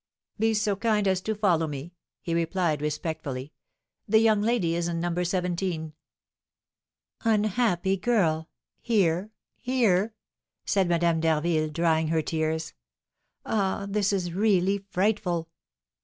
"Be so kind as to follow me," he replied, respectfully; "the young lady is in No. 17." "Unhappy girl! Here here!" said Madame d'Harville, drying her tears. "Ah, this is really frightful!"